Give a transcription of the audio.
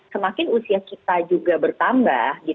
semakin usia kita juga bertambah